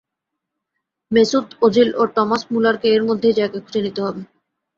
Mesut Ozil ও Thomas মুলারকে এর মধ্যেই জায়গা খুঁজে নিতে হবে।